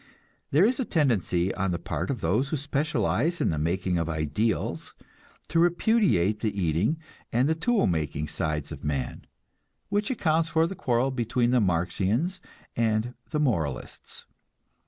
There is a tendency on the part of those who specialize in the making of ideals to repudiate the eating and the tool making sides of man; which accounts for the quarrel between the Marxians and the moralists.